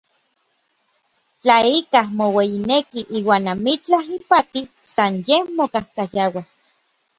Tla ikaj moueyineki iuan amitlaj ipati, san yej mokajkayaua.